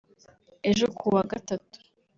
Ejo kuwa gatatu